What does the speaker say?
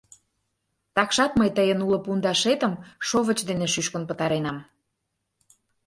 — Такшат мый тыйын уло пундашетым шовыч дене шӱшкын пытаренам.